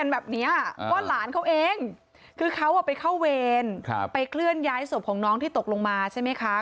แบบนี้ว่าหลานเขาเองคือเขาไปเข้าเวรไปเคลื่อนย้ายศพของน้องที่ตกลงมาใช่ไหมคะ